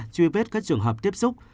truy vết các trường hợp tiếp xúc